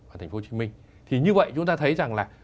ở tp hcm thì như vậy chúng ta thấy rằng là